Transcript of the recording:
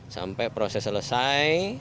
sampai proses selesai